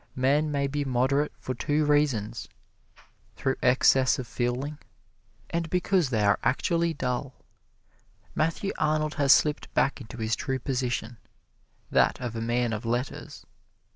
Men may be moderate for two reasons through excess of feeling and because they are actually dull. Matthew Arnold has slipped back into his true position that of a man of letters.